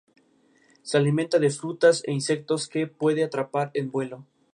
Se alimenta de frutas e insectos, que puede atrapar en vuelo.